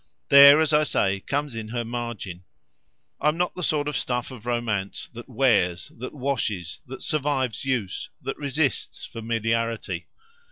There, as I say, comes in her margin. I'm not the sort of stuff of romance that wears, that washes, that survives use, that resists familiarity.